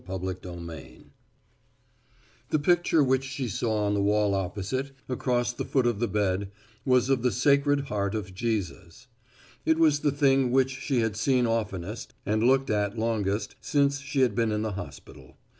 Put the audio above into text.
XIX SACRED HEART The picture which she saw on the wall opposite, across the foot of the bed, was of the Sacred Heart of Jesus. It was the thing which she had seen oftenest and looked at longest since she had been in the hospital.